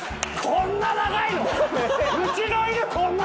こんな長いの⁉舌。